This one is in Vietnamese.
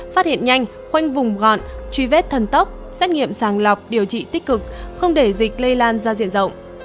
phát hiện nhanh khoanh vùng gọn truy vết thần tốc xét nghiệm sàng lọc điều trị tích cực không để dịch lây lan ra diện rộng